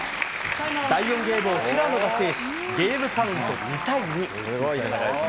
第４ゲームは平野が制し、ゲームカウント２対２。